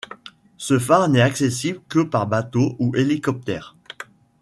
Ce phare n'est accessible que par bateau ou hélicoptère.